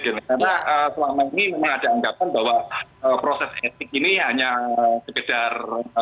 karena selama ini memang ada anggapan bahwa proses etik ini hanya sekejar